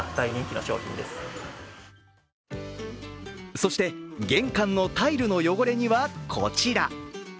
そして、玄関のタイルの汚れにはこちら。